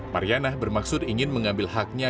mariana bermaksud ingin mengambil haknya